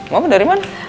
mama dari mana